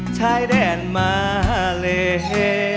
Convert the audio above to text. ใช้แดนมาเลย